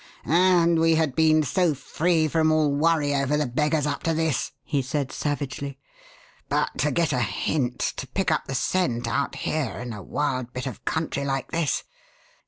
"And we had been so free from all worry over the beggars up to this!" he said, savagely. "But to get a hint to pick up the scent out here in a wild bit of country like this!